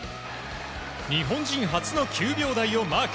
日本人初の９秒台をマーク。